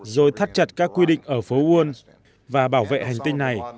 rồi thắt chặt các quy định ở phố buôn và bảo vệ hành tinh này